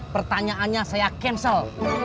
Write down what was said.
pertanyaannya saya cancel